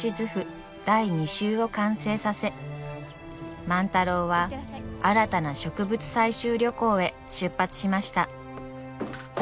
第２集を完成させ万太郎は新たな植物採集旅行へ出発しました。